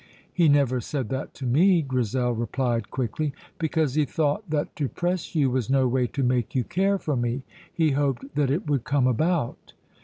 "He never said that to me," Grizel replied quickly. "Because he thought that to press you was no way to make you care for me. He hoped that it would come about."